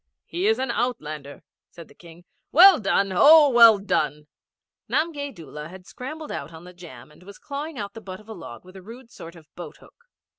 'He is an outlander,' said the King. 'Well done! Oh, well done!' Namgay Doola had scrambled out on the jam and was clawing out the butt of a log with a rude sort of boat hook.